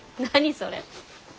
それ。